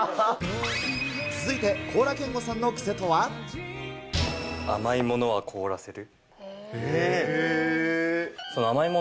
続いて、高良健吾さんの癖とは？甘いものは凍らせる。